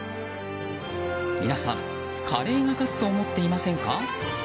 皆さん、カレーが勝つと思っていませんか。